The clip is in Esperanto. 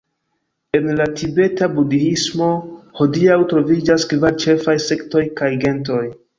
En la tibeta budhismo hodiaŭ troviĝas kvar ĉefaj sektoj kaj gentoj.